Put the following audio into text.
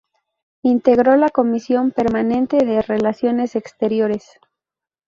Integró la comisión permanente de Relaciones Exteriores.